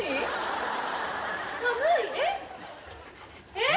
えっ？